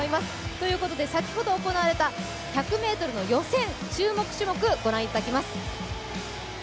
ということで先ほど行われた１００ｍの予選、注目種目ご覧いただきます。